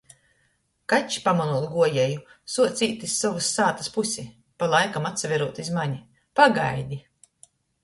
Kačs, pamonūt guojieju, suoc īt iz sovys sātys pusi, palaikam atsaverūt iz mane. Pagaidi!